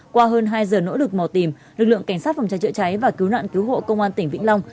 qua hơn hai giờ nỗ lực mò tìm lực lượng cảnh sát phòng cháy chữa cháy và cứu nạn cứu hộ công an tỉnh vĩnh long